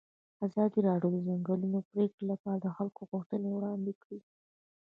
ازادي راډیو د د ځنګلونو پرېکول لپاره د خلکو غوښتنې وړاندې کړي.